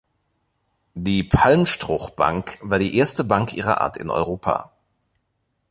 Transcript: Die Palmstruch-Bank war die erste Bank ihrer Art in Europa.